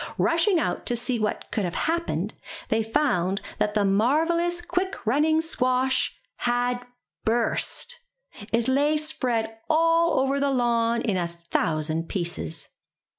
Rushing out to see what could have happened, they found that the marvellous quick running squash had burst! It lay spread all over the lawn in a thousand pieces.